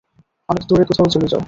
অনেক দূরে কোথাও চলে যাও।